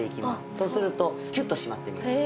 そうするとキュッと締まって見えます。